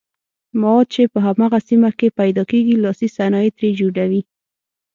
مواد چې په هماغه سیمه کې پیداکیږي لاسي صنایع ترې جوړوي.